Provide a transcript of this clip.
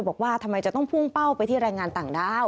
บอกว่าทำไมจะต้องพุ่งเป้าไปที่แรงงานต่างด้าว